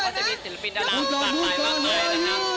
ก็จะมีศิลปินดรรมปลอดภัยมากเลยนะคะ